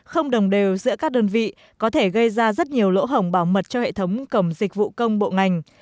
không đồng đều giữa các đơn vị có thể gây ra rất nhiều lỗ hổng bảo mật cho hệ thống cổng dịch vụ công bộ ngành